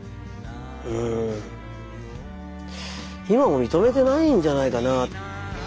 うん今も認めてないんじゃないかな。